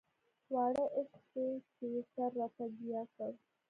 واړه عشق دی چې يې سر راته ګياه کړ